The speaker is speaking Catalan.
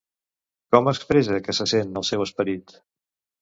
Com expressa que se sent el seu esperit?